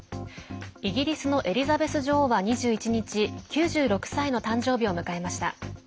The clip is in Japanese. イギリスのエリザベス女王は２１日９６歳の誕生日を迎えました。